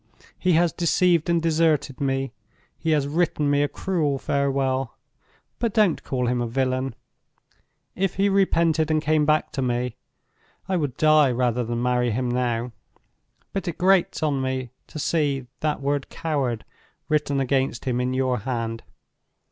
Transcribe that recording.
He has deceived and deserted me; he has written me a cruel farewell —but don't call him a villain! If he repented and came back to me, I would die rather than marry him now—but it grates on me to see that word coward written against him in your hand!